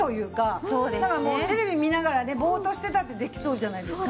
テレビ見ながらねボーッとしてたってできそうじゃないですか。